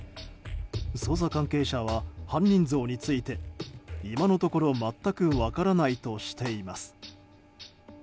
捜査関係者は犯人像について今のところ全く分からないとしています。